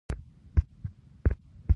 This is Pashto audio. د ناروغۍ لپاره کوم درمل غوره دي؟